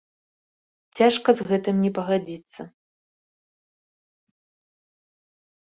Цяжка з гэтым не пагадзіцца.